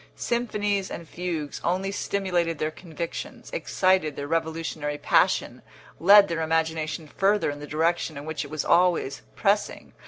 Symphonies and fugues only stimulated their convictions, excited their revolutionary passion, led their imagination further in the direction in which it was always pressing.